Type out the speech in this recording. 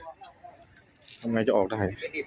ทำไมจะออกได้